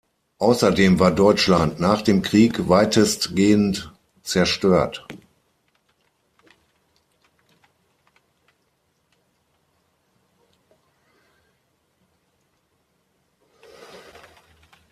Außerdem war Deutschland nach dem Krieg weitestgehend zerstört.